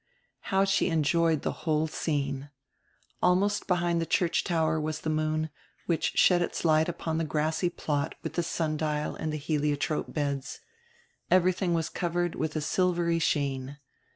How she enjoyed the whole scene! Almost behind the church tower was the moon, which shed its light upon the grassy plot with the sundial and the heliotrope beds. Everything was covered with a silvery sheen.